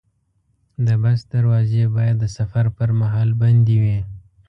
د بس دروازې باید د سفر پر مهال بندې وي.